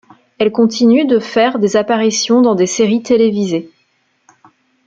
Elle continue de faire des apparitions dans des séries télévisées.